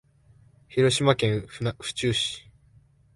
広島県府中市